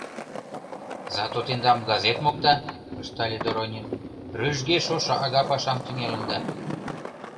— Зато тендам газет мокта, — ыштале Доронин, — «Рӱжге» шошо ага пашам тӱҥалында.